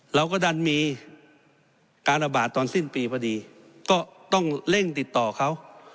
เราก็ดันมีการระบาดตอนสิ้นปีพอดีก็ต้องเร่งติดต่อเขา